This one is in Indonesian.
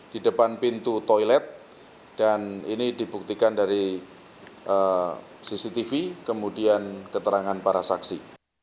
di depan pintu toilet dan ini dibuktikan dari cctv kemudian keterangan para saksi